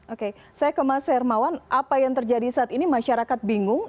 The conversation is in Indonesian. oke saya ke mas hermawan apa yang terjadi saat ini masyarakat bingung